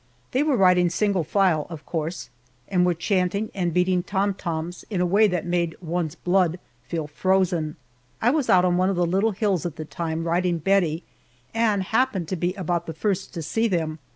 They were riding single file, of course, and were chanting and beating "tom toms" in a way to make one's blood feel frozen. I was out on one of the little hills at the time, riding Bettie, and happened to be about the first to see them.